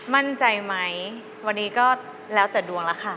มั่นใจไหมวันนี้ก็แล้วแต่ดวงแล้วค่ะ